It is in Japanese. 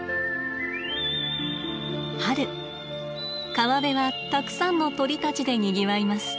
春川辺はたくさんの鳥たちでにぎわいます。